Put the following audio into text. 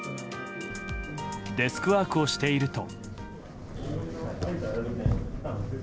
デスクワークをしていると。